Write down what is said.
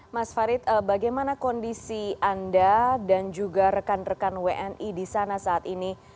mas farid bagaimana kondisi anda dan juga rekan rekan wni di sana saat ini